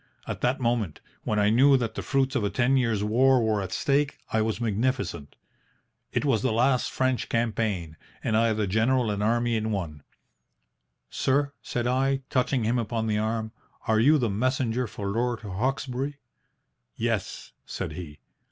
At that moment, when I knew that the fruits of a ten years' war were at stake, I was magnificent. It was the last French campaign and I the general and army in one. "'Sir," said I, touching him upon the arm, 'are you the messenger for Lord Hawkesbury?' "'Yes,' said he.